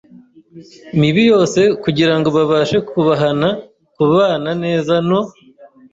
mibi yose kugira ngo babashe kubahana, kubana neza no